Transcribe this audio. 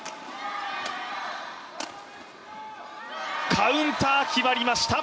カウンター、決まりました！